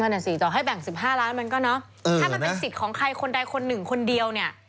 อ่ะสิต่อให้แบ่ง๑๕ล้านมันก็เนอะถ้ามันเป็นสิทธิ์ของใครคนใดคนหนึ่งคนเดียวเนี่ย